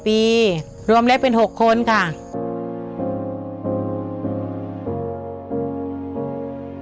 คนที่สองชื่อน้องก็เอาหลานมาให้ป้าวันเลี้ยงสองคน